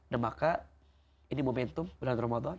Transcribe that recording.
dan maka ini momentum bulan ramadan